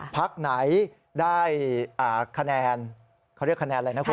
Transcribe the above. พักไหนได้คะแนนเขาเรียกคะแนนอะไรนะคุณ